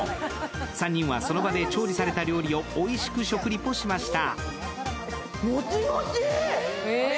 ３人は、その場で調理された料理をおいしく試食しました。